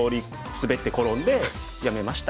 滑って転んでやめました。